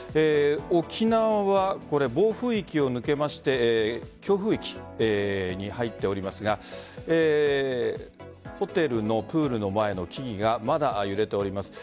沖縄は暴風域を抜けまして強風域に入っておりますがホテルのプールの前の木々がまだ揺れております。